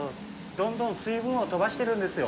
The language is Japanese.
どんどん水分を飛ばしてるんですよ。